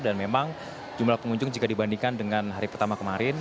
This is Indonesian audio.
dan memang jumlah pengunjung jika dibandingkan dengan hari pertama kemarin